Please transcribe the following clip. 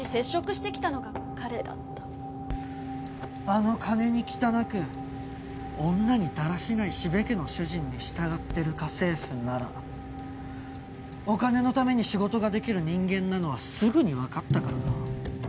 あの金に汚く女にだらしない四部家の主人に従ってる家政婦ならお金のために仕事ができる人間なのはすぐにわかったからな。